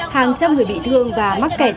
hàng trăm người bị thương và mắc kẹt